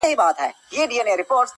o هغه د صحنې له وضعيت څخه حيران ښکاري,